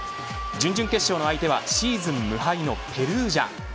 準々決勝の相手はシーズン無敗のペルージャ。